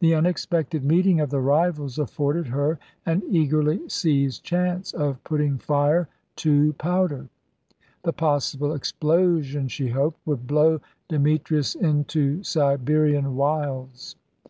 The unexpected meeting of the rivals afforded her an eagerly seized chance of putting fire to powder. The possible explosion, she hoped, would blow Demetrius into Siberian wilds.